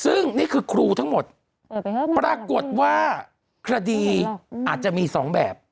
ซึ่งนี่คือครูทั้งหมดปรากฏว่าคดีอาจจะมี๒แบบ